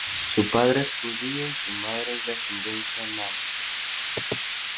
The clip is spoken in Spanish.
Su padre es judío y su madre es de ascendencia Manx.